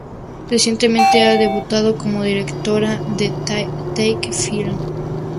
Recientemente ha debutado como directora con "Take Flight".